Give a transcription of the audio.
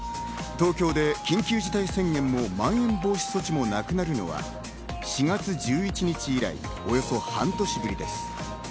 東京で緊急事態宣言もまん延防止等重点措置もなくなるのは４月１１日以来、およそ半年ぶりです。